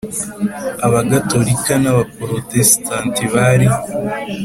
Abagatolika n abaporotesitanti bari